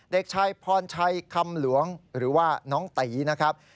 เด็กชายพรชัยคำหลวงหรือว่าน้องตีนะครับ